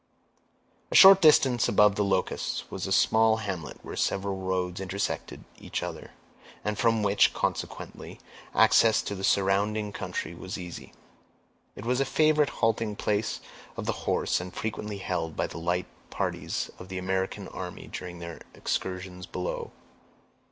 A short distance above the Locusts was a small hamlet where several roads intersected each other, and from which, consequently, access to the surrounding country was easy. It was a favorite halting place of the horse, and frequently held by the light parties of the American army during their excursions below.